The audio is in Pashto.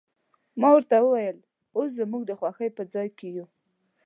ما ورته وویل، اوس زموږ د خوښۍ په ځای کې یو.